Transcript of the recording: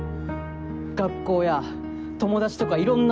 学校や友達とかいろんなものから。